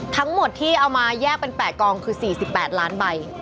ทั้งหมดที่เอามาแยกเป็น๘กองคือ๔๘ล้านใบ